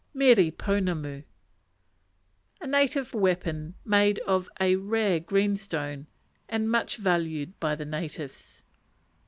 p. 3. Mere ponamu A native weapon made of a rare green stone, and much valued by the natives.